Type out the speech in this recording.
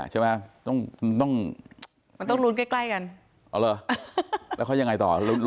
ใช่ไง